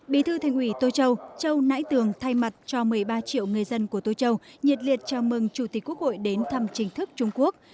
bí thư thanh nguyên tô châu châu nại tưởng thay mặt cho một mươi ba triệu người dân của tô châu nhiệt liệt chào mừng chủ tịch quốc hội đến thăm chính thức trung quốc